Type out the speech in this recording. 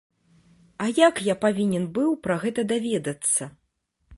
А як я павінен быў пра гэта даведацца?